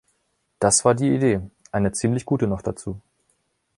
Das war die Idee, eine ziemlich gute noch dazu.